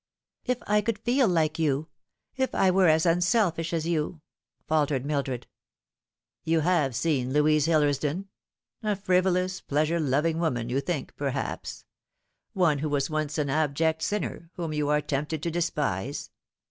" If I could feel like you ; if I were as unselfish as you M faltered Mildred. "You have seen Louise Hillersdon a frivolous, pleasure loving woman, you think, perhaps ; one who was once an abject sinner, whom you are tempted to despise.